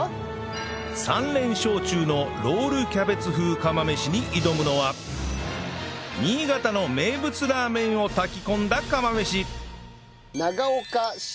３連勝中のロールキャベツ風釜飯に挑むのはを炊き込んだ釜飯